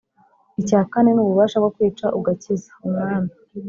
icya kane ni ububasha bwo kwica ugakiza: umwami